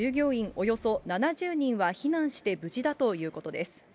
およそ７０人は避難して無事だということです。